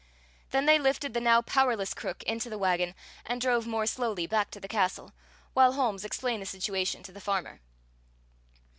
Then they lifted the now powerless crook into the wagon, and drove more slowly back to the castle, while Holmes explained the situation to the farmer.